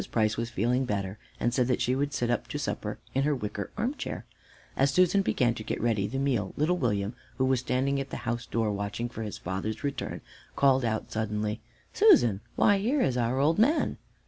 Price was feeling better and said that she would sit up to supper in her wicker armchair. As Susan began to get ready the meal, little William, who was standing at the house door watching for his father's return, called out suddenly, "Susan, why here is our old man!"